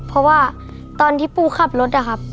เพราะว่าตอนที่ปูขับรถนะครับ